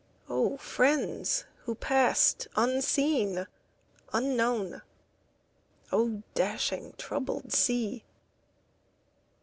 O friends who passed unseen, unknown! O dashing, troubled sea!